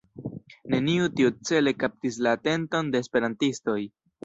Neniu tiucele kaptis la atenton de esperantistoj.